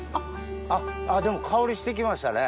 あっでも香りして来ましたね。